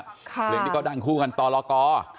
เรื่องที่ก็ดังคู่กันต่อละก่อ